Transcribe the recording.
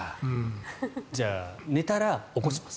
じゃあ、寝たら起こします